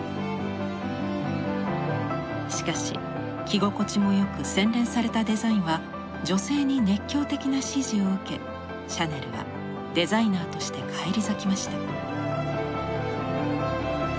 しかし着心地もよく洗練されたデザインは女性に熱狂的な支持を受けシャネルはデザイナーとして返り咲きました。